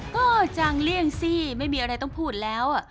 ก็จังเลี่ยงสิไม่มีอะไรต้องพูดแล้ว